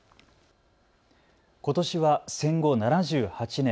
ことしは戦後７８年。